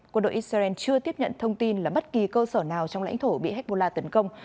quân đội israel chưa tiếp nhận thông tin là bất kỳ cơ sở nào trong lãnh thổ bị hezbollah tấn công